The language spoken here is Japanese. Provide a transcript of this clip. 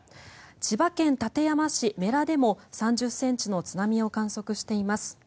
千葉県館山市布良でも３０ｃｍの津波を観測しています。